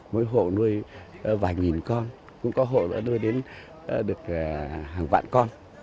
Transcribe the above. mỗi hộ nuôi vài nghìn con cũng có hộ đã nuôi đến được hàng vạn con